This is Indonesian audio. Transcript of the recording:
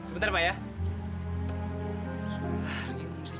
itu yang saya inginkan